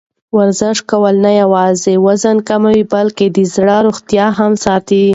ورزش کول نه یوازې وزن کموي، بلکې د زړه روغتیا هم ساتي.